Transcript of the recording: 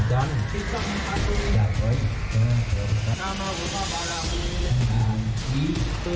ดันดี